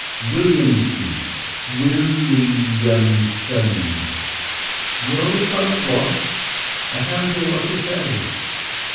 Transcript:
"Williamson. Will i am son!" "You're the son of what? I can't hear what you say."